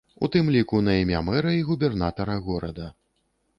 У тым ліку на імя мэра і губернатара горада.